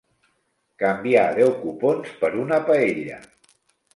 Canviar deu cupons per una paella.